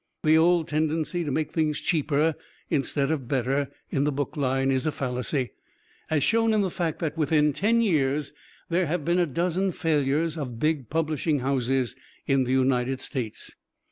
The old tendency to make things cheaper, instead of better, in the book line is a fallacy, as shown in the fact that within ten years there have been a dozen failures of big publishing houses in the United States.